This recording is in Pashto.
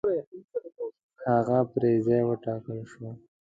هغه پر ځای وټاکل شو.